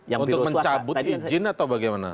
untuk mencabut izin atau bagaimana